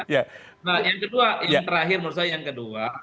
nah yang terakhir menurut saya yang kedua